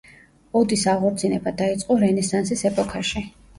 ოდის აღორძინება დაიწყო რენესანსის ეპოქაში.